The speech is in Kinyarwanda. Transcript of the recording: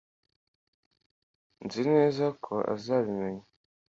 Nzi neza ko azabimenya.